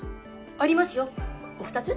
ありますよお２つ？